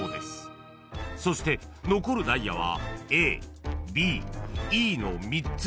［そして残るダイヤはＡＢＥの３つ］